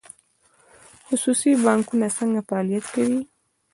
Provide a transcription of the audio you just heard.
خصوصي بانکونه څنګه فعالیت کوي؟